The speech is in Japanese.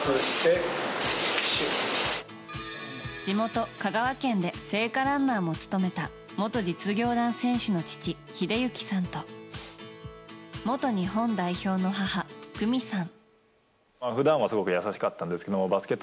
地元・香川県で聖火ランナーも務めた元実業団選手の父・英幸さんと元日本代表の母・久美さん。